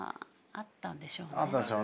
あったでしょうね。